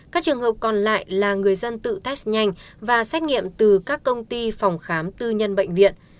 các trường hợp còn lại là người dân tự test nhanh và xét nghiệm từ các công ty phòng khám tư nhân bệnh viện